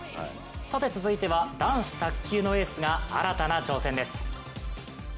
次は男子卓球のエースが新たな挑戦です。